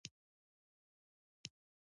دا ټول ددې خلکو د متنوع فرهنګ تصویرونه دي.